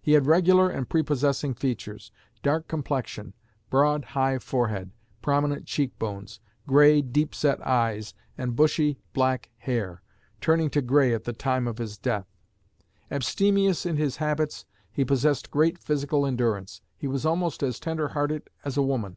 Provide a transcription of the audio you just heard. He had regular and prepossessing features, dark complexion, broad, high forehead, prominent cheek bones, gray, deep set eyes, and bushy, black hair, turning to gray at the time of his death. Abstemious in his habits, he possessed great physical endurance. He was almost as tender hearted as a woman.